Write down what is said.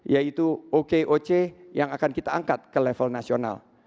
yaitu okoc yang akan kita angkat ke level nasional